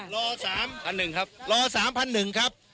๕ล้อ๓๐๐๑ครับ